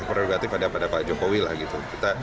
prerogatif ada pada pak jokowi lah gitu